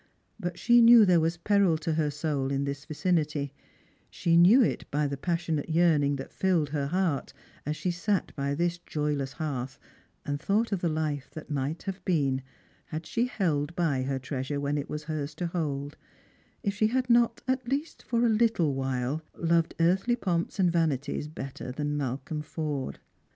But she knew thei'e was peril to her soul in this vicinity ; she knew it by the passionate yearning that filled her heart as she sat by this joyless hearth and thought of the life that might have been had she held by her treasure when it was hers to hold, if she had not, at least for a little while, loved earthly pomps and vanities better than Malcolm Forde.